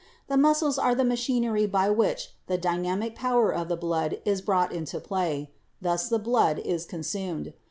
The muscles are the machinery by which the dynamic power of the blood is brought into play. Thus the blood is consumed.